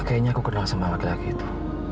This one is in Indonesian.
kayaknya aku kenal sama mati lagi itu